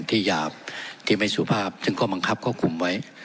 หยาบที่ไม่สุภาพซึ่งข้อบังคับก็คุมไว้